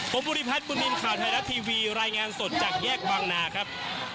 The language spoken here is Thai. ผมพุทธิพัฒน์คุณมินข่าวไทยรับทีวีรายงานสดจากแยกวังหนาครับ